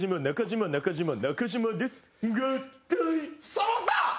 そろった！